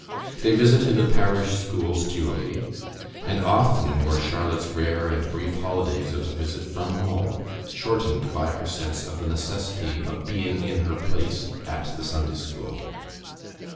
They visited the parish schools duly; and often were Charlotte's rare and brief holidays of a visit from home shortened by her sense of the necessity of being in her place at the Sunday school.